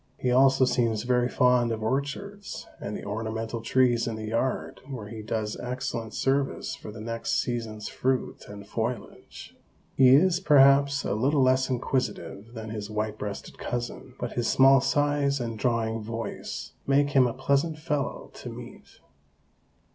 He also seems very fond of orchards and the ornamental trees in the yard where he does excellent service for the next season's fruit and foliage. He is, perhaps, a little less inquisitive than his white breasted cousin, but his small size and drawling voice make him a pleasant fellow to meet.